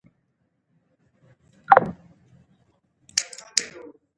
ماشومان د لوبو له لارې د نورو سره همکارۍ زده کوي.